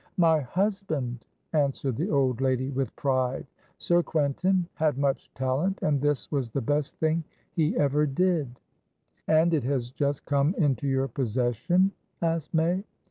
"My husband," answered the old lady, with pride. "Sir Quentin had much talent, and this was the best thing he ever did." "And it has just come into your possession?" asked May.